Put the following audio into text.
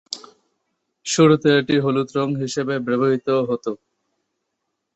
শুরুতে এটি হলুদ রঙ হিসেবে ব্যবহৃত হত।